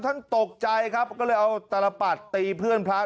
ท่านตกใจครับก็เลยเอาตลปัดตีเพื่อนพระ